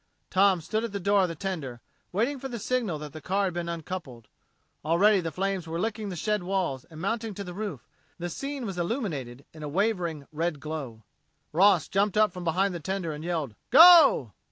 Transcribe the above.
Tom stood at the door of the tender, waiting for the signal that the car had been uncoupled. Already the flames were licking the shed walls and mounting to the roof; the scene was illuminated in a wavering, red glow. Boss jumped up from behind the tender, and yelled, "Go!"